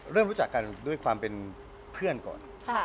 เริ่มรู้จักกันด้วยความเป็นเพื่อนก่อน